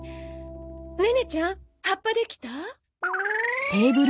ネネちゃん葉っぱできた？